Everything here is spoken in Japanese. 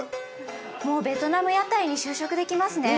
もうベトナム屋台に就職できますね。